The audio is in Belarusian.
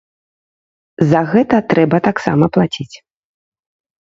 За гэта трэба таксама плаціць.